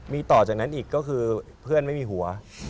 มีต่อจากนั้นอีกก็คือเพื่อนไม่มีหัว